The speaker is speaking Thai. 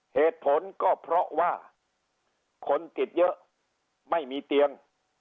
เหตุผลก็เพราะว่าคนติดเยอะไม่มีเตียง